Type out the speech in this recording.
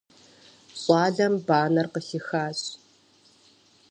Щӏалэм банэр къыхихащ.